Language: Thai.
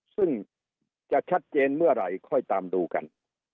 ซึ่งจะชัดเจนเมื่อไหร่ค่อยตามดูกัน